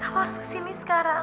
ya kau harus kesini sekarang